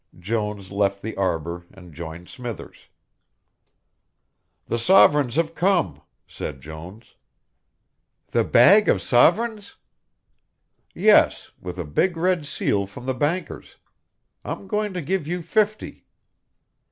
Jones left the arbour and joined Smithers. "The sovereigns have come," said Jones. "The bag of sovereigns?" "Yes, with a big red seal from the bankers. I'm going to give you fifty."